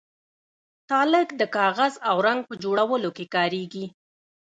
تالک د کاغذ او رنګ په جوړولو کې کاریږي.